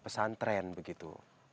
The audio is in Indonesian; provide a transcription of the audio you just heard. atau pesantren begitu